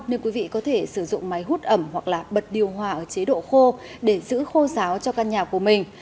nên quý vị có thể sử dụng máy hút ẩm hoặc là bật điều hòa ở chế độ khô để giữ khô giáo cho căn nhà của mình